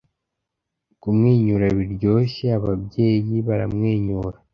Kumwenyura biryoshye Ababyeyi baramwenyura